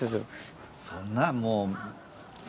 そんなのもう。